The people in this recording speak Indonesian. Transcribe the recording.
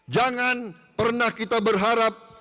jangan pernah kita berharap